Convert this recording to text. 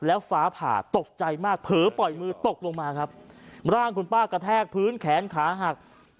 แล้วฟ้าผ่าตกใจมากเผลอปล่อยมือตกลงมาครับร่างคุณป้ากระแทกพื้นแขนขาหัก